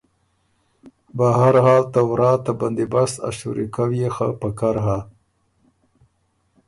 بهر حال ته ورا ته بندیبست ا شُوری کؤ يې خه پکر هۀ“